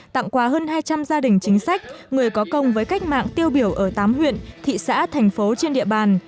tặng quà hơn hai trăm linh gia đình chính sách người có công với cách mạng tiêu biểu ở tám huyện thị xã thành phố trên địa bàn